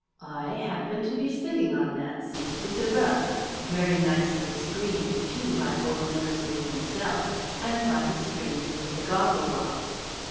I happened to be sitting on that seat with a rug, very nicely screened too by old Eversleigh himself, and by the stranger with the goggle box.